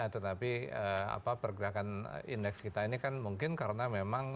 tetapi pergerakan indeks kita ini kan mungkin karena memang